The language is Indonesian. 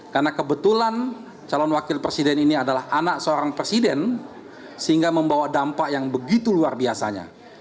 karena kebetulan calon wakil presiden ini adalah anak seorang presiden sehingga membawa dampak yang begitu luar biasanya